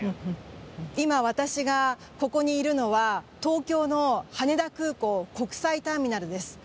今、私がここにいるのは東京の羽田空港国際ターミナルです。